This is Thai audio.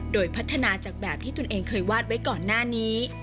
โดยพัฒนาจากแบบที่ตนเองเคยวาดไว้ก่อนหน้านี้